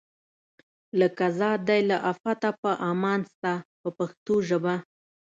لکه ذات دی له آفته په امان ستا په پښتو ژبه.